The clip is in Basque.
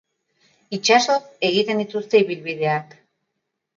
Itsasoz egiten dituzte ibilbideak.